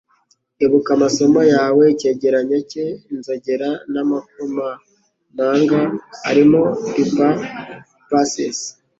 Ibuka amasomo yawe / Icyegeranyo cye "Inzogera n'amakomamanga" / Harimo "Pippa Passes"